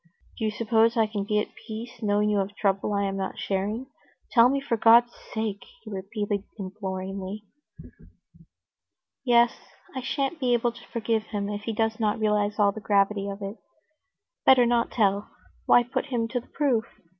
Do you suppose I can be at peace, knowing you have a trouble I am not sharing? Tell me, for God's sake," he repeated imploringly. "Yes, I shan't be able to forgive him if he does not realize all the gravity of it. Better not tell; why put him to the proof?"